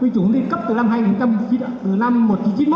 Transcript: cũng được cấp từ năm một nghìn chín trăm chín mươi một